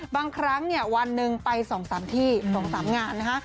บางครั้งเนี่ยวันหนึ่งไป๒๓ที่๒๓งานนะฮะ